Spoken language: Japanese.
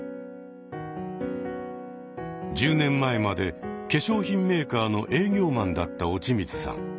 １０年前まで化粧品メーカーの営業マンだった落水さん。